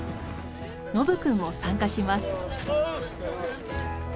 ノブくんも参加します。